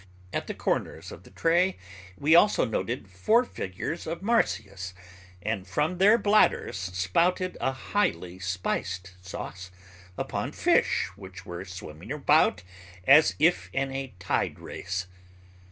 At the corners of the tray we also noted four figures of Marsyas and from their bladders spouted a highly spiced sauce upon fish which were swimming about as if in a tide race.